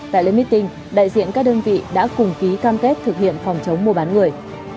tại leeng đại diện các đơn vị đã cùng ký cam kết thực hiện phòng chống mua bán người